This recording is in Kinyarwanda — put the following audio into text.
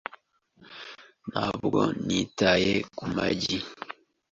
Ntabwo nitaye ku magi .